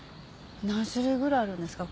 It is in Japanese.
何種類ぐらいあるんですか？